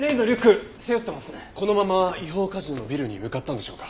このまま違法カジノのビルに向かったんでしょうか？